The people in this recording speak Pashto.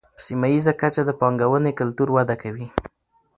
په سیمه ییزه کچه د پانګونې کلتور وده کوي.